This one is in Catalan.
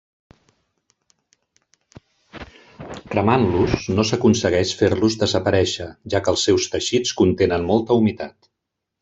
Cremant-los no s'aconsegueix fer-los desaparèixer, ja que els seus teixits contenen molta humitat.